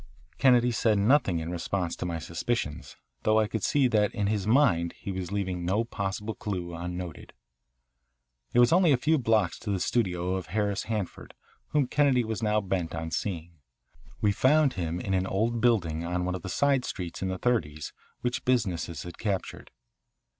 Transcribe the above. Kennedy said nothing in response to my suspicions, though I could see that in his mind he was leaving no possible clue unnoted. It was only a few blocks to the studio of Harris Hanford, whom Kennedy was now bent on seeing. We found him in an old building on one of the side streets in the thirties which business had captured.